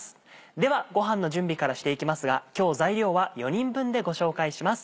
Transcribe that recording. ではごはんの準備からしていきますが今日材料は４人分でご紹介します。